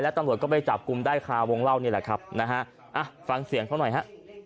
ตำรวจก็ไปจับกลุ่มได้คาวงเล่านี่แหละครับนะฮะฟังเสียงเขาหน่อยฮะ